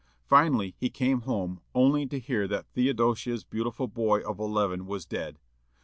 Finally he came home, only to hear that Theodosia's beautiful boy of eleven was dead.